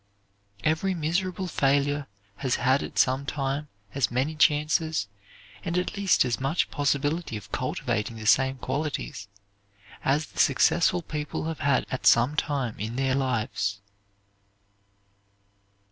Every miserable failure has had at some time as many chances, and at least as much possibility of cultivating the same qualities, as the successful people have had at some time in their lives.